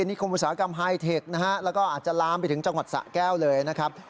นิคมอุตสาหกรรมไฮเทคนะฮะแล้วก็อาจจะลามไปถึงจังหวัดสะแก้วเลยนะครับ